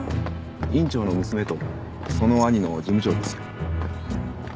院長の娘とその兄の事務長ですよ。